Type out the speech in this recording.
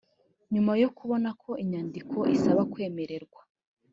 nyuma yo kubona ko inyandiko isaba kwemererwa